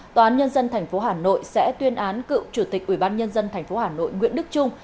tòa án nhân dân tp hà nội sẽ tuyên án cựu chủ tịch ủy ban nhân dân tp hà nội nguyễn đức trung